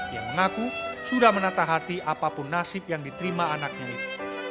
ia mengaku sudah menatah hati apapun nasib yang diterima anaknya itu